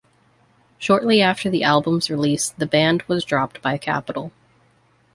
Shortly after the album's release, the band was dropped by Capitol.